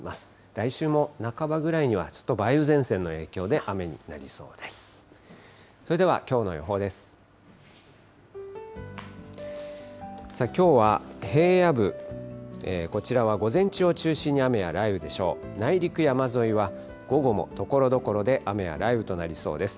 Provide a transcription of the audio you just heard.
来週も半ばぐらいにはちょっと梅雨前線の影響で、雨になりそうです。